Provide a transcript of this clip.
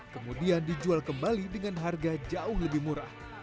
kemudian dijual kembali dengan harga jauh lebih murah